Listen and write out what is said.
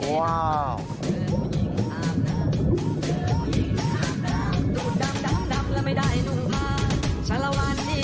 ว้าว